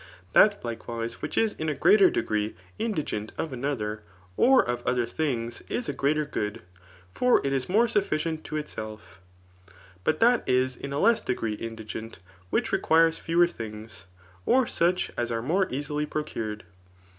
That, likewise, which is in a less degree indigent of another, or of other things {[is a greater good ;] for it is more sufficient to itsetfl But that is in a less degree indigent which requires fewer things, or such as are more easily procured.